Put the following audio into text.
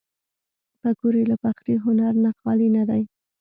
پکورې له پخلي هنر نه خالي نه دي